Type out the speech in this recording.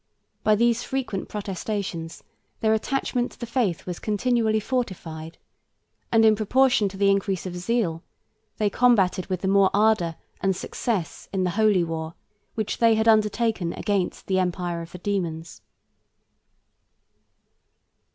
By these frequent protestations their attachment to the faith was continually fortified; and in proportion to the increase of zeal, they combated with the more ardor and success in the holy war, which they had undertaken against the empire of the demons.